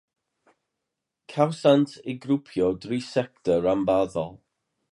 Cawsant eu grwpio'n dri sector rhanbarthol.